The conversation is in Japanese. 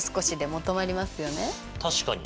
確かに。